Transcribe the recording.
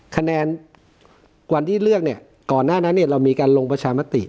คะแนนวันที่เลือกเนี่ยก่อนหน้านั้นเรามีการลงประชามติ